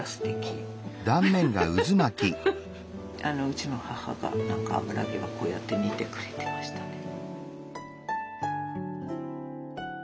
うちの母が何か油揚げはこうやって煮てくれてましたね。